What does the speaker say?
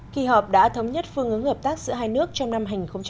kỳ họp đã thống nhất phương ứng hợp tác giữa hai nước trong năm hai nghìn một mươi chín